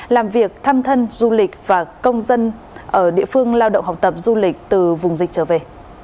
làm việc thăm thân du lịch và công dân ở địa phương lao động học tập du lịch từ vùng dịch trở về